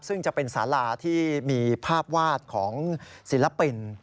ซึ่งจะเป็นสาราที่มีภาพวาดของศิลปิน